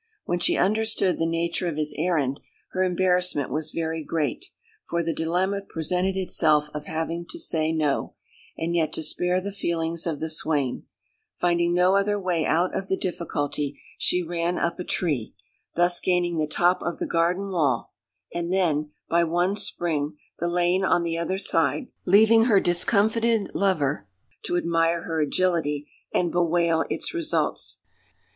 When she understood the nature of his errand, her embarrassment was very great, for the dilemma presented itself of having to say "No," and yet to spare the feelings of the swain; finding no other way out of the difficulty, she ran up a tree, thus gaining the top of the garden wall, and then, by one spring, the lane on the other side, leaving her discomfited lover to admire her agility and bewail its results.